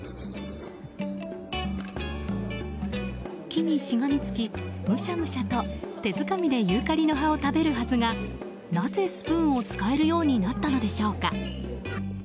木にしがみつきむしゃむしゃと手づかみでユーカリの葉を食べるはずがなぜスプーンを使えるようになったのでしょうか。